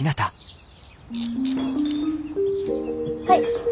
はい。